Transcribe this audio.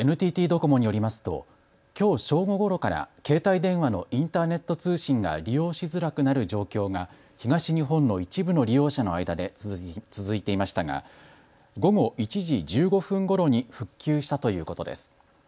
ＮＴＴドコモによりますときょう正午ごろから携帯電話のインターネット通信が利用しづらくなる状況が東日本の一部の利用者の間で続いていましたが、午後１時１５分ごろに復旧したということです。